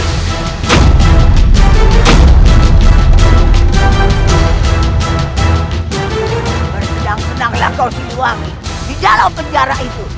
yang senanglah kau ciliwag di dalam penjara itu